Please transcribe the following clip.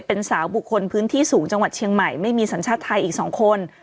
เป็นสาวบุคคลพื้นที่สูงจังหวัดเชียงใหม่ไม่มีสัญชาติไทยอีก๒คน